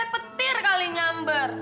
petir kali nyamber